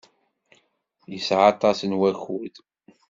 Yesɛa aṭas n wakud.